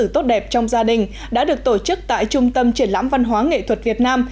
tốt đẹp trong gia đình đã được tổ chức tại trung tâm triển lãm văn hóa nghệ thuật việt nam